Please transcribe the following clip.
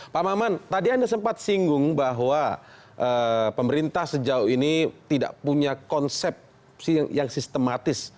pak maman tadi anda sempat singgung bahwa pemerintah sejauh ini tidak punya konsep yang sistematis